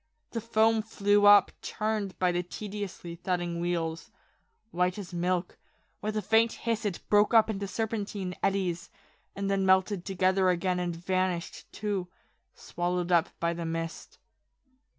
The foam flew up, churned by the tediously thudding wheels ; white as milk, with a faint hiss it broke up into serpentine eddies, and then melted together again and vanished too, swallowed up by the mist.